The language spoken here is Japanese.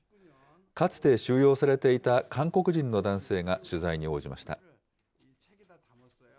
かつて収容されていた韓国人の男性が取材に応じました。